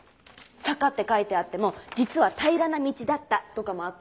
「坂」って書いてあっても実は「平らな道」だったとかもあったりして。